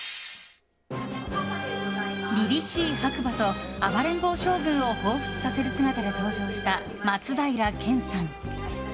りりしい白馬と「暴れん坊将軍」をほうふつとさせる姿で登場した松平健さん。